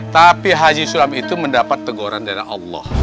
tapi haji sulam itu mendapat teguran dari allah